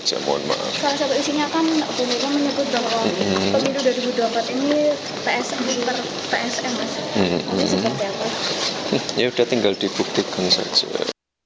ya udah tinggal dibuktikan saja